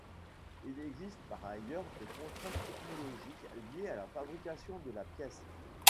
Il existe par ailleurs des contraintes technologiques, liées à la fabrication de la pièce.